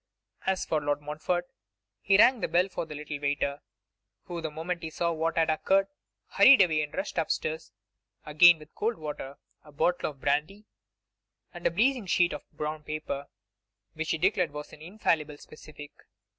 As for Lord Montfort, he rang the bell for the little waiter, who, the moment he saw what had occurred, hurried away and rushed up stairs again with cold water, a bottle of brandy, and a blazing sheet of brown paper, which he declared was an infallible specific.